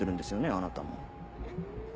あなたも。